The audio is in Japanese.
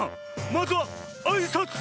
まずはあいさつ！